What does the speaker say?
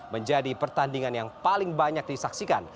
menjadi pertandingan yang paling banyak disaksikan